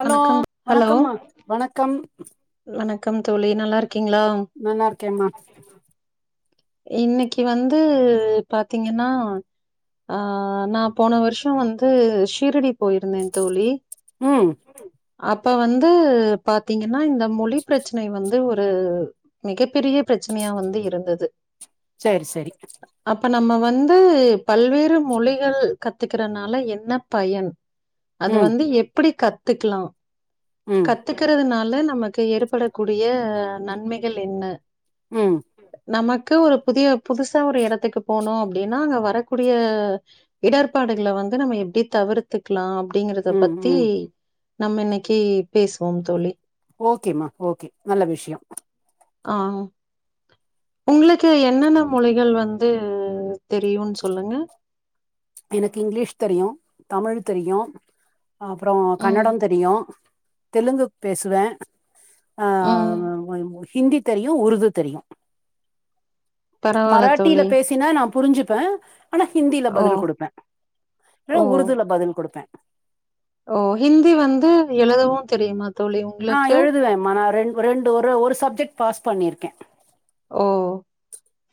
Hello வணக்கம் hello வணக்கம்மா வணக்கம். வணக்கம் தோழி நல்லார்க்கிங்ளா? நல்லார்க்கேம்மா. இன்னிக்கி வந்து பாத்தீங்கன்னா ஆ நா போன வருஷோ வந்து ஷீரடி போயிருந்தே தோழி. ம். அப்ப வந்து பாத்தீங்கன்னா இந்த மொழி பிரச்சனை வந்து ஒரு மிக பெரிய பிரச்சனையா வந்து இருந்தது. சரி சரி. அப்ப நம்ம வந்து பல்வேறு மொழிகள் கத்துக்கறனால என்ன பயன்? அத ம் வந்து எப்பிடி கத்துக்லா? ம். கத்துக்கறதுனால நமக்கு ஏற்படக்கூடிய நன்மைகள் என்ன? ம். நமக்கு ஒரு புதிய புதுசா ஒரு எடத்துக்கு போணோ அப்டின்னா அங்க வரக்கூடிய இடர்பாடுகள வந்து நம்ம எப்டி தவிர் த்துக்லா அப்டிங்கறத ம் பத்தி ம் நம்ம இன்னிக்கி பேசுவோம் தோழி. ஓகேம்மா ஓகே நல்ல விஷ்யோ. ஆ ஓ உங்குளுக்கு என்னென்ன மொழிகள் வந்து தெரியுன் சொல்லுங்க. எனக்கு இங்லீஷ் தெரியு தமிழ் தெரியு. அப்புறோ ம், கன்னடோ தெரியு தெலுங்குப் பேசுவே. அ ம். [unintelligible] ஹிந்தி தெரியு உருது தெரியு. பரவால்ல மராட்டில தோழி. பேசினா நா புரிஞ்சிப்பே ஆனா ஹிந்தில ஓ, பதில் குடுப்பே. இல்னா ஓ, உருதுல பதில் கொடுப்பே. ஓ ஹிந்தி வந்து எழுதவு தெரிமா ஆ எழுதுவேம்மா நா ரெண் ரெண்டு ஒரு ஒரு சப்ஜெட் பாஸ் பண்ணிருக்கே. ஓ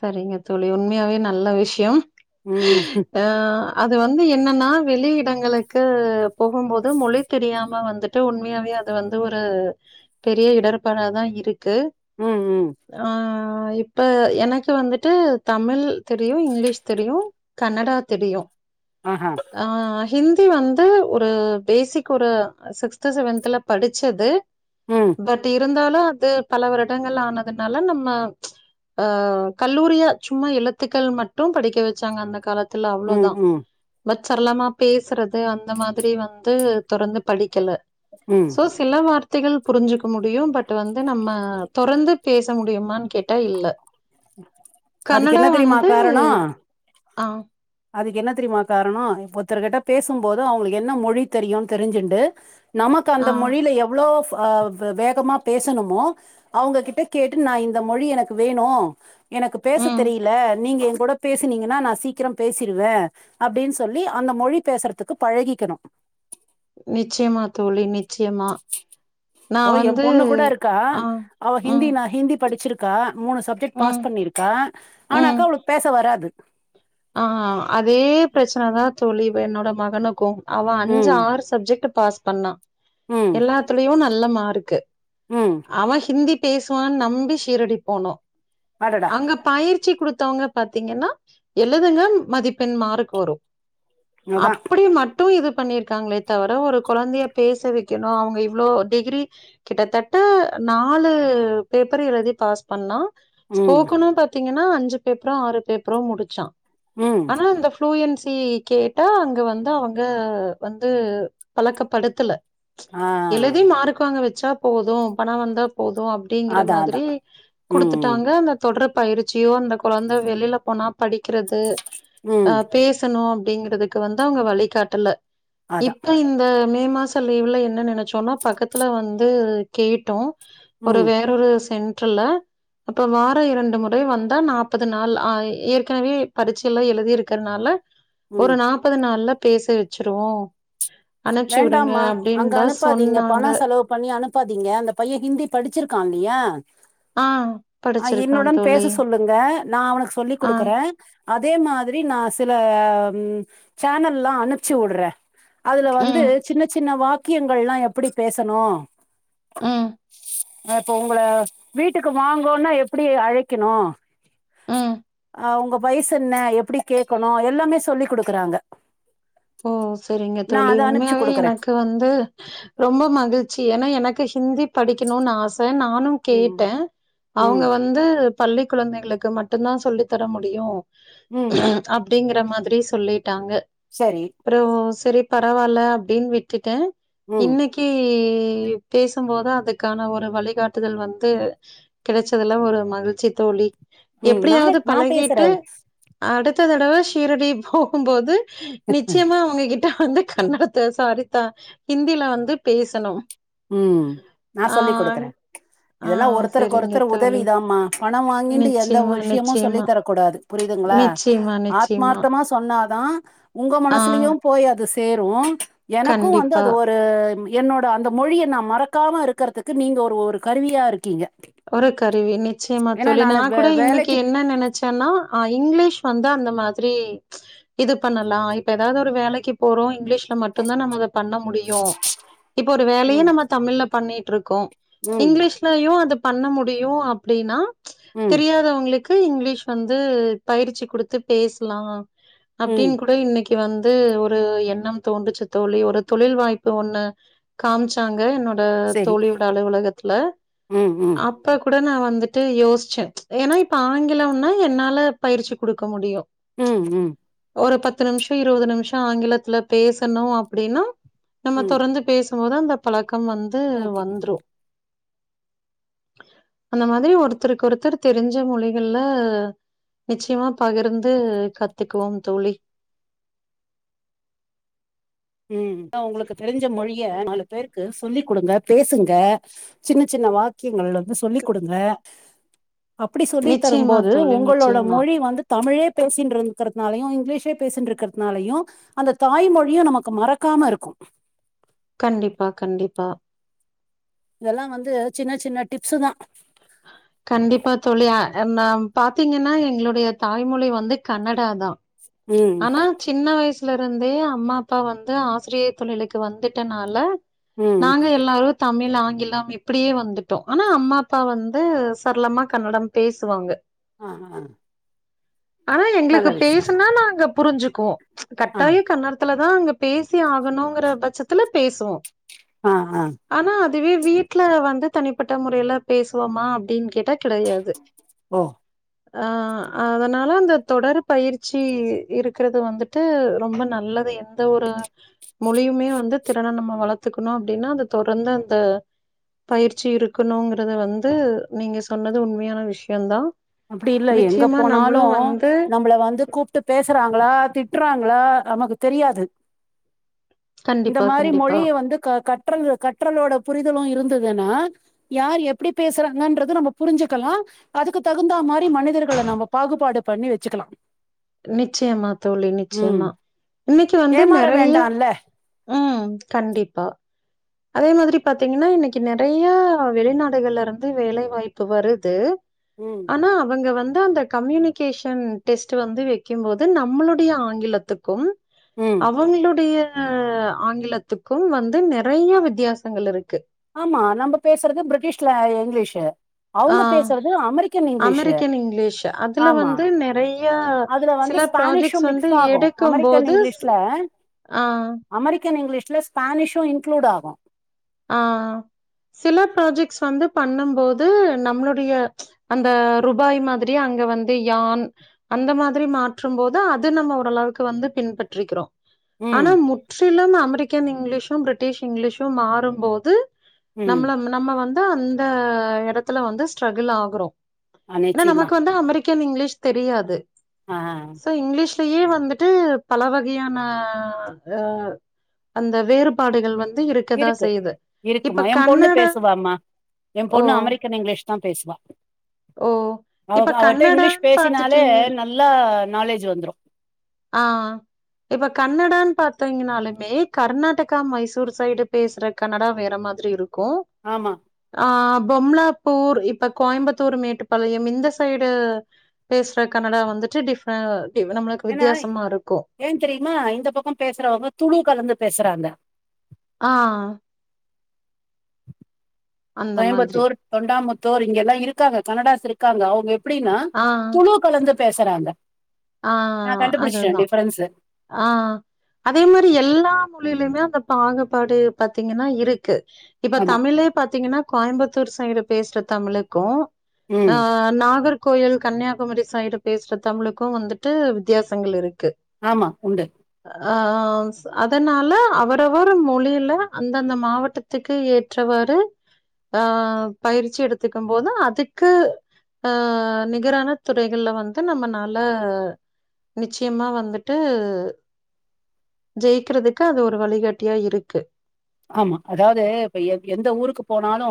சரிங்க தோழி உண்மையாவே நல்ல விஷ்யோ. ம் அ அது வந்து என்னன்னா வெளி இடங்களுக்கு போகும்போது மொழி தெரியா ம வந்துட்டு உண்மையாவே அது வந்து ஒரு பெரிய இடர்பாடாதா இருக்கு. ம் ம். ஆ இப்ப எனக்கு வந்துட்டு தமிழ் தெரியு இங்லீஷ் தெரியு கன்னடா தெரியு. ஆ ஹ. ஆ ஹிந்தி வந்து ஒரு பேசிக் ஒரு சிக்ஸ்த்து செவன்த்துல படிச்சது ம் பட் இருந்தாலு அது பல வருடங்கள் ஆனதுனால நம்ம அ கல்லூரியா சும்மா எழுத்துக்கள் மட்டு படிக்க வெச்சாங்க அந்த கால [unintelligible] ம் அவ்ளோதான ம் பட் சரளமா பேசுறது அந்த மாதிரி வந்து தொடர்ந்து படிக்கல ம் சோஸ் சில வார்த்தைகள் புரிஞ்சுக்க முடியு பட் வந்து நம்ம தொடர்ந்து பேச முடியுமானு கேட் டா இல்ல அதுக்கு கனடா என்ன தெரியுமா வந்து காரணோ ஆ அதுக்கு என்ன தெரியுமா காரணோ ஒருத்தர் கிட்ட பேசும் போது அவங்களுக்கு என்ன மொழி தெரியுனு தெரிஞ்சுண்டு நமக்கு ஆ, அந்த மொழியில எவ்ளோ ஃபா ஆ வேகமா பேசணுமோ அவங்ககிட்ட கேட்டு நா இந்த மொழி எனக்கு வேணு எனக்கு பேச ம். தெரியல நீங்க எ கூட பேசுனீங்கன்னா நா சீக்கிரம் பேசிருவே அப்டின்னு சொல்லி அந்த மொழி பேசுறதுக்கு பழகிக்கணு நிச்சியமா தோழி நிச்சியமா இப்போ எ பொண்ணு கூட இருக்கா ஆ, அவ ஹிந்தி ம், நா ஹிந்தி படிச்சிருக் இருக்கா மூணு சப்ஜெக்ட் ம், பாஸ் பண்ணியிருக்கா ம். ஆனாக்கா அவளுக்கு பேச வராது ஆ அதே பிரச்சன தா தோழி இவ என்னோட மகனுக்கு அவ அஞ்சு ம் ஆறு சப்ஜெக்ட் பாஸ் பண்ணா ம் எல்லாத்துலயு நல்ல மார்க்கு ம் அவ ஹிந்தி பேசுவான்னு நம்பி ஷீரடி போனோ அடடா அங்க பயிற்சி குடுத்தவங்க பாத்தீங்கன்னா எழுதுங்க மதிப்பெண் மார்க்கு வரு அதான் அப்டி மட் டு இது பண்ணிருக்காங்ளே தவர ஒரு கொழந்தைய பேச வைக்கணு அவுங்க இவ்ளோ டிகிரி கிட்டத்தட்ட நாலு பேப்பர் எழுதி பாஸ் பண்ணா ம் ஸ்போகனு பாத்தீங்கன்னா அஞ்சு பேப்பரோ ஆறு பேப்பரோ முடிச்சா ம் ஆனா இந்த டுயென்சி கேட்டா அங்க வந்து அவுங்க வந்து பழக்கப்படுத்தல ஆ எழுதி மார்க்கு வாங்க வச்சா போது பண வந்தா போது அப் அப்டிங்கற அதான் மாதிரி அதான் ம் குடுத்துட்டாங்க அந்த தொடர் பயிற்சியோ அந்த கொழந்த வெளியில போனா க்கிறது அ ம் பேசணு அப்டிங்கறதுக்கு வந்து அவுங்க வழிகாட்டல அதான் இப்ப இந்த மே மாச லீவ்ல என்ன நேனச்சோன்னா பக்கத்துல வந்து கேட்டோ ஒரு ம் வேறொரு சென்டர்ல அப்ப வார இரண்டு முறை வந்தா நாற்பது நாள் ஆ எ ஏற்கனவே படிச்சு எல்லா எழுதி இருக்கிறதுனால ஒரு ம் நாற்பது நாள்ல பேச வச்சிருவோ அனுப்ச்சு விடுங்க வேண்டாம்மா அங்க அப்டின்னு தா அனுப்பாதீங்க சொன்னாங்க பண செலவு பண்ணி அனுப் பாத்தீங்க அந்த பைய ஹிந்தி படிச்சிருக்கா இல்லையா ஆ அ படிச்சிருக்கான் என்னுடன் பேச தோழி சொல்லுங்க நா அவனுக்கு சொல்லி் ஆ குடுக்குறே அதே மாதிரி நா சில சேனல்லா அனுப்ச்சு வுடுறே அதுல வந் து ம் சின்ன சின் சின்ன வாக்கியங்கள்லா எப்டி பேசணு ம் இப்ப உங்கள வீட்டுக்கு வாங்கோங்னா எப்டி அழைக்கணு ம் அ உங்க வயசு என்ன எப்டி கேட்கணு எல்லாமே சொல்லி் குடுக்குறாங்க ஓ செரிங்க தோழி உண்மையாவே குடுக்குறே எனக்கு வந்து ரொம்ப மகிழ்ச்சி ஏன்னா எனக்கு ஹிந்தி படிக்கணும்னு ஆச நானு ம் கேட்டே அவுங்க ம் வந்து பள்ளி குழந்தைகளுக்கு மட்டும்தா சொல்லி தர முடியு ம் அப்டிங்கற மாதிரி சொல்லிட்டாங்க செரி அப்றோ செரி பரவாயில்ல அப்டின் விட்டுட்டே ம் இன்னிக்கி கி பேசும்போதா அதுக்கான ஒரு வழிகாட்டுதல் வந்து கெடச்சதுலா ஒரு மகிழ்ச்சி தோழி ம் நானே எப்டியாவ்து நா பேசுறே பழகிட்டு அடுத்த தடவ ஷீரடி போகும் போது ம் நிச்சய்மா ஒங்க கிட் ட வந்து கன்னடத்த சாரித்தா ஹிந்தியில வந்து பேசணு ம் நா சொல்லி குடுக்குற ஆ இதெல்லா சரிங்க ஒருத்தருக்கொருத்தர் தோழி. உதவிதாமா பணோ வாங்கிட்டு எந்த நிச்சயமா, ஒர் விஷ்யமும் சொல்லி நிச்சயமா, தர குடாது புரியுதுங்களா நிச்சயமா, நிச்சயமா. ஆத்மார்த்தமா சொன்னாதா உங்க ஆ மனசுலயும் போய் அது சேரும் எனக்கும் வந்து கண்டிப்பா. அது ஒரு என்னோட அந்த மொழிய நா மறக்காம இர்க்கறதுக்கு நீங்க ஒரு ஒரு கருவியாருக்கீங்க ஒரு கருவி நிச்சய்மா தோழி நா வே கூட இன்னிக்கு வேலைக்கு என்ன நென சன்னா ஆ இங்லீஷ் வந்து அந்த மாதிரி இது பண்ணலா இப்ப ஏதாது ஒரு வேலைக்கு போறோ இங்லீஷ் மட்டுதா நம்ம பண்ண முடியு இப்ப ஒரு வேலையு ம் நம்ம தமிழ்ல பண்ணிட்ருக்கோ ம் இங்லீஷ்லயு அது பண்ண முடியு அப்டின்னா ம் தெரியாதவங்ளுக் கு வந்து இங்லீஷ் வந்து பயிற்சி குடுத்து பேஸ்லா அப்டின் ம் கூட இன்னிக்கி வந்து ஒரு எண்ணம் தோன்றுச்சு தோழி ஒரு தொழில் வாய்ப்பு ஒண்ணு காம்ச்சாங்க என்னோட சரி தோழியோட அலுவலகத்துல ம் ம் அப்ப கூட நா வந்துட்டு யோஷ்ச ஏன்னா இப்ப ஆங்கிலோன்னா என்னால பயிற்சி குடுக்க முடியு ம் ம் ஒரு பத்து நிம்ஷோ இருவது நிம்ஷோ ஆங்கிலத்துல பேசுனோ அப்டின்னா நம்ம ம் தொரந்து பேசு போது அந்த பழக்கம் வந்து ஓகே வந்துரு அந்த மாதிரி ஒருத்தருக்கொருத்தர் தெரிஞ்ச மொழிகள்ல நிச்சய்மா பகிர்ந்து கத்துக்குவோம் தோழி ம் ஒங்களுக்கு தெரிஞ்ச மொழிய நாலு பேருக்கு சொல்லி் குடுங்க பேசுங்க ஜின்ன ஜின்ன வாக்கியங்கள் வந்து சொல்லி கொடுங்க அப்டி சொல்லி நிச்சயமா தரும்போது தோழி உங்களோட நிச்சயமா மொழி வந்து தமிழே பேசின்டுருக்ரத்னாலயு இங்லீஷே பேசின்டுருக்ரத்னாலயு அந்த தாய்மொழியு நம க்க மறக்காம இருக்கு கண்டிப்பா கண்டிப்பா இதெல்லா வந்து ஜின்ன ஜின்ன டிப்சுதா கண்டிப்பா தோழி அ நம் பாத்திங்கன்னா எங்ளுடைய தாய்மொழி வந்து கன்னடதாதான் ம் ஆனா ஜின்ன வயஸ்ல இருந்தே அம்மா அப்பா வந்து ஆசிரியை தொழிலுக்கு வந்துட்டனால ம் நாங்க எல்லாரு தமிழ் ஆங்கிலம் இப்டியே வந்துட்டோ ஆனா அம்மா அப்பா வந்து சர்ளமா கன்னடம் பேசுவாங்க ஆ ஆ ஆனா நல்ல எங்ளுக்கு விஷயம் பேசுனா நாங்க புரிஞ்சிக்குவோ ஆ கட்டாயோ கன்னட த்துல தா அங்க பேசி ஆகணுங்ற பட்சத்துல பேசுவோ ஆ ஆ அனா அதுவே வீட்ல வந்து தனிப்பட்ட முறையில பேசுவோமா அப்டின் கேட்டா கெடையாது ஓ து ஆ அதனால அந்த தொடர் பயிற்சி இருக்றது வந்துட்டு ரொம்ப நல்லது என் த ஒரு மொழியுமே வந்து திறன நம்ம வளத்துக்கணு அப்டின்னா அது தொடர்ந்து அந்த பயிற்சி இருக்கணுங்றது வந்து நீங்க சொன்னது உண்மையான விஷ்யோதா அப்டி இல்ல எங்க போனாலு நம்மள வந்து கூப்ட் ட்டு பேசுறாங்களா திட்டுறாங்களா நமக்கு தெரியாது இந்த கண்டிப்பா மாரி கண்டிப்பா மொழிய வந்து க கற்றல் கற்றலோட புரிதலு இருந்துதுனா யார் எப்டி பேசறாங்கன்றது நம்ம புரிஞ்சிக்கலா அதுக்கு தகுந்தா மாரி மனிதர்கள நம்ம பாகுபாடு பண்ணி வச்சிக்கலா நிச்சயமா தோழி ம் நிச்சயமா இன்னைக்கு வந்து ஏமாற நெறைய வேண்டால்ல ஆ கண்டிப்பா அதே மாரி பாத்தீங்கன்னா இன்னைக்கு நெறையா வெளிநாடுகள்ல இருந்து வேலை வாய்ப்பு வருது ம் ஆனா அவங்க வந்து அந்த கம்யூனிகேஷன் டெஸ்ட் வந்து வைக்கும்போது நம்மளுடைய ஆங்கிலத்துக்கும் ம் அவங்களுடைய ஆங்கிலத்துக்கும் வந்து நெறை நெறைய வித்தியாசங்கள் இருக்கு ஆமா நம்ம பேசறது பிரிட்டிஷ்ல இங்கிலீஷ் ஆ அவுங்க பேசறது அமெரிக்கன் இங்கிலீஷ் ஆமா நெறையா அதுல வந்து ஸ்பானிஷும் மிக்ஸ் ஆகும் அமெரிக்கன் எடுக்கும்போது ஸ் இங்கிலீஷ்ல ஆ. அமெரிக்கன் இங்கிலீஷில ஸ்பானிஷும் இன்களூட் ஆகும் ஆ சில ப்ராஜெக்ட்ஸ் வந்து பண்ணம் போது நம்மளுடைய அந்த ரூபாய் மாதிரி அங்க வந்து யான் அந்த மாதிரி மாற்றும் போது அது நம்ம ஓரளவுக்கு வந்து பின்பற்றிக்கிறோ ஆனா ம் முற்றிலும் அமெரிக்கன் இங்கிலீஷம் பிரிட்டிஷ் இங்கிலீஷம் மாறும்போது ம் நம்மள நம்ம வந்து அந்த எடத்தல வந்து ஸ்ட்ரகுள் ஆகுறோ ஆ ஏன்னா நிச்சயமா நமக்கு வந்து அமெரிக்கன் இங்கிலீஷ் தெரியாது ஆ சோ இங்கிலீஷ் இப்பையே வந்துட்டு பல வகையான ஆ அந்த வேறுபாடுகள் வந்து இருக்கதா இருக்கு செய்து இருக்குமா ஏ பொண்ணு பேசுவாம்மா ஏ ஓ பொண்ணு அமெரிக்கன் இங்கிலீஷ் தா பேசுவா ஓ அவ இப்ப அவட்ட இங்கிலீஷ் கன்னடான்னு பேசினாலே பாத்துட்டீங்க நல்லா நாலேஜ் வந்துரும் ஆ இப்ப கன்னடான்னு பாத்தீங்கன்னாலுமே கர்நாடகா மைசூர் சைடு பேசுற கனடா வேற மாதிரி இருக்கும் ஆமா ஆ பொம்லாப்பூர் இப்ப கோயம்புத்தூர் மேட்டுப்பாளையம் இந்த சைடு பேசற கனடா வந்துட்டு டிஃபரண்ட் நம்மளுக்கு வித்தியாசமா இருக்கும் ஏ தெரியுமா இந்த பக்கம் பேசுறவங்க துலு கலந்து பேசுறாங்க ஆ அந்த மாதிரி கோயம்பத்தூர் தொண்டாமுத்தூர் இங்கலா இருக்காங்க கனடாஸ் இருக்காங்க அவுங்க எப்படின்னா ஆ துலு கலந்து பேசுறாங்க ஆ நா கண்டுபிடிச்சே அதுதா டிஃபரன்ஸ் ஆ அதே மாரி எல்லா மொழிலயுமே அந்த பாகுபாடு பாத்தீங்கன்னா இருக்கு இப்ப ஆமா தமிழே பாத்தீங்கன்னா கோயம்பத்தூர் சைடு பேசுற தமிழுக்கும் ஆ ம் நாகர்கோயில் கன்னியாகுமரி சைடு பேசுற தமிழுக்கு வந்துட்டு வித்தியாசங்கள் இருக்கு ஆமா உண்டு ஆ அதனால அவரவர் மொழியில அந்தந்த மாவட்ட த்துக்கு ஏற்றவாறு ஆ பயிற்சி எடுத்துக்கம் போது அதுக்கு ஆ நிகரான துறைகள்ல வந்து நம்ம நா நல்ல நிச்சயமா வந்துட்டு ஜெயிக்கிறதுக்கு அது ஒரு வழிகாட்டியா இருக்கு ஆமா அதாவது இப்ப எந் எந்த ஊருக்கு போனாலு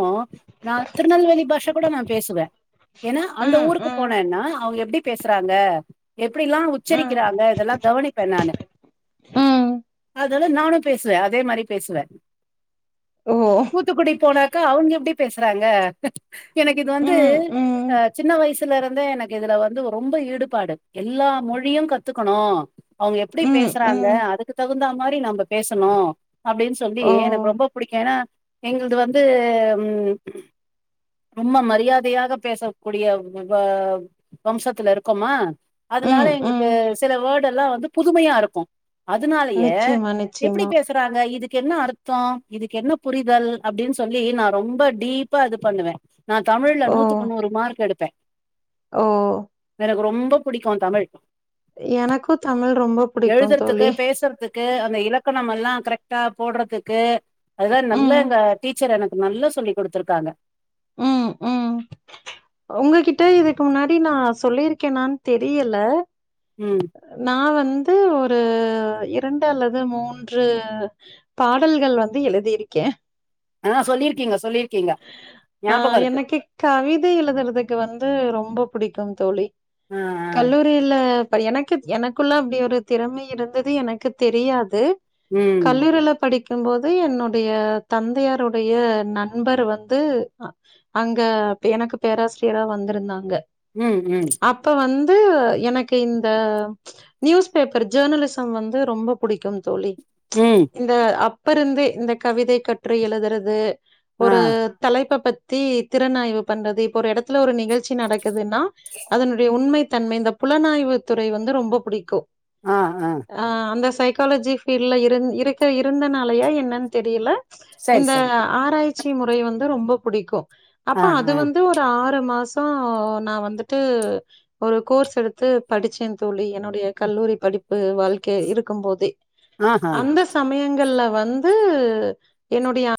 நா திருநெல்வேலி பாஷா கூட நா பேசுவ ஏனா அந்த ம், ஊருக்கு ம், போனேன்னா அவுங்க எப்டி பேசுறாங்க எப்டிலா ம். உச்சரிக்கிறாங்க இதெல்லா கவனிப்பே நானு ம் அதால நானு பேசுவ அதே மாரி பேசுவ ஒ ஓ தூத்துக்குடி போனாக்க அவங்க எப்டி பேசுறாங்க எனக்கு இது வந்து ம் ம் அ சின்ன வயசு த்துல இருந்தே எனக்கு இதுல வந்து ரொம்ப ஈடுபாடு எல்லா மொழியு கத்துக்கனோ அவங்க எப்டி ம் பேசுறாங்க ம் அதுக்கு தகுந்தா மாறி நம்ம பேசணு அப்டின் அப்டி ஓ எனக்கு ரொம்ப பிடிக்கு ஏனா எங்களது வந்து உம் ரொம்ப மரியாதையாக பேச கூடிய வ வம்சத்துல இருக்கோமா அதனால ம் எங்களுக்கு ம் சில வேர்ட் எல்லா வந்து புதுமையா இருக்கு அதனாலயே நிச்சயமா எப்டி நிச்சயமா பேசுறாங்க இதுக் கென்ன அர்த்தோ இதுக்கு என்ன புரிதல் அப்டின்னு சொல்லி நா ரொம்ப டீப்பா இது பண்ணுவ நா தமிழ்ல நூத்துக்கு நூறு மார்க் எடுப்பே ஒ ஓ எனக்கு ரொம்ப பிடிக்கும் தமிழ் எனக்கு தமிழ் ரொம்ப புடிக்கும் தோழி க்கு அந்த இலக்கணம் எல்லா கரெக்டா போடுறதுக்கு அதுதா நல்ல ம் எங்க டீ ச்சர் எனக்கு நல்லா சொல்லி் குடுத்தருக்காங்க உம் உம் உங்ககிட்ட இதுக்கு முன்னாடி நா சொல்லியிருக்கனான்னு தெரியல ம் நா வந்து ஒரு இரண்டு அல்லது மூன்று பாடல்கள் வந்து எழுதியிருக்கே ஆ சொல்லிருக்கீங்க சொல்லி ஆ எனக்கு கவிதை எழுதுறதுக்கு வந்து ரொம்ப புடிக்கும் தோழி ஆ ஆ கல்லூரில்ல அப்படி எனக்கு எனக்குள்ள அப்டி ஒரு திறமை இருந்தது எனக்கு தெரியாது ம் கல்லூரில படிக்கு போது என்னுடைய தந்தையாருடைய நண் நண்பர் வந்து ஆ அங்க எனக்கு பேராசிரியரா வந்திருந்தாங்க ம் ம் அப்ப வந்து எனக்கு இந்த நியூஸ் பேப்பர் ஜேர்னலிசம் வந்து ரொம்ப பிடிக்கும் தோழி ம் இந்த அப்ப இருந்தே இந்த கவிதை கட்டுரை எழுதுறது ஆ ஒரு தலைப்ப பத்தி திறனாய்வு பண்றது இப்போ ஒரு எடத்துல ஒரு நிகழ்ச்சி நட க்குதுன்னா அதனுடைய உண்மை தன்மை இந்த புலனாய்வு துறை வந்து ரொம்ப பிடிக்கு ஆ அ ஆ அந்த சைக்காலஜி ஃபீல்டில் இருந் இருக்க இருந்தனாலயா என்னன்னு தெரியல சரி இந்த சரி ஆராய்ச்சி முறை வந்து ரொம்ப புடிக்கு அப்ப ஆ அது ஆ வந்து ஒரு ஆறு மாசோ நா வந்துட்டு ஒரு கோர்ஸ் எடுத்து படிச்சே தோழி என்னோட ய கல்லூரி படிப்பு வாழ்க்கை இருக்கு போதே ஆஹா அந்தச் சமயங்கள்ல வந்து என்னுடைய